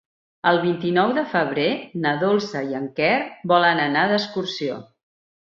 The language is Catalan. El vint-i-nou de febrer na Dolça i en Quer volen anar d'excursió.